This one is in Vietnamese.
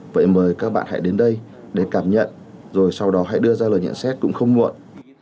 vậy mời các bạn hãy đến đây để cảm nhận rồi sau đó hãy đưa ra lời nhận xét cũng không muộn